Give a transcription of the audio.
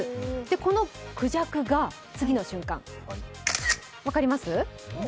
このくじゃくが次の瞬間、分かります？